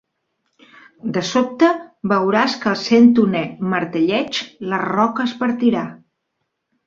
De sobte veuràs que al cent-unè martelleig la roca es partirà.